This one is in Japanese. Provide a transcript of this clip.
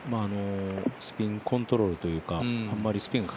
スピンコントロールというかスピンが